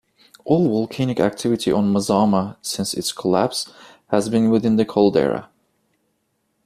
All volcanic activity on Mazama since its collapse has been within the caldera.